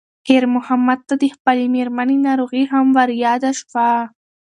خیر محمد ته د خپلې مېرمنې ناروغي هم ور یاده شوه.